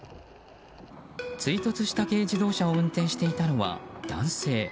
追突した軽自動車を運転していたのは男性。